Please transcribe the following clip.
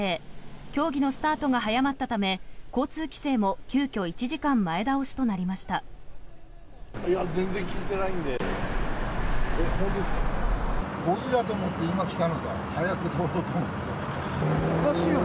競技のスタートが早まったため交通規制も急きょ１時間前倒しとなりました。